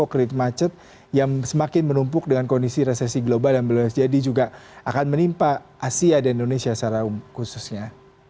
kredit macet yang semakin menumpuk dengan kondisi resesi global yang belum jadi juga akan menimpa asia dan indonesia secara khususnya